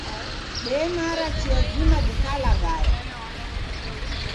Demara chia zima dikalaghaya